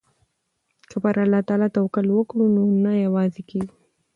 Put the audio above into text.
که پر الله توکل وکړو نو نه یوازې کیږو.